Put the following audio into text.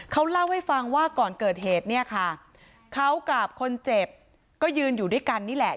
เขาเล่าให้ฟังว่าก่อนเกิดเหตุเนี่ยค่ะเขากับคนเจ็บก็ยืนอยู่ด้วยกันนี่แหละ